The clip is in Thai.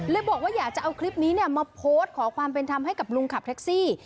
บอกว่าอยากจะเอาคลิปนี้มาโพสต์ขอความเป็นธรรมให้กับลุงขับแท็กซี่